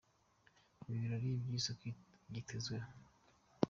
Ibi birori byiswe byitezweho